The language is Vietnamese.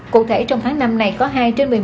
cụ thể trong tháng năm này có hai trên một mươi một